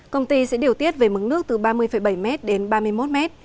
công ty sẽ điều tiết về mức nước từ ba mươi bảy m đến ba mươi một m